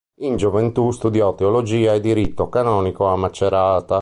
In gioventù studiò teologia e diritto canonico a Macerata.